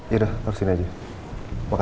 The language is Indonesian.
yaudah taruh sini aja